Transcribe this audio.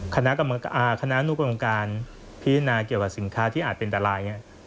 คณะนุกรรมการพิจารณาเกี่ยวกับสินค้าที่อาจเป็นตราย